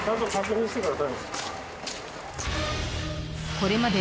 ［これまで］